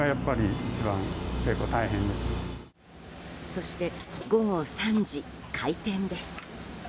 そして午後３時、開店です。